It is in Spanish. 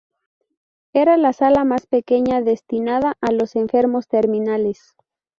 Era la sala más pequeña, destinada a los enfermos terminales.